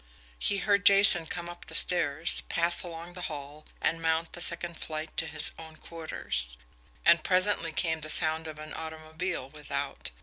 He heard Jason come up the stairs, pass along the hall, and mount the second flight to his own quarters; and presently came the sound of an automobile without.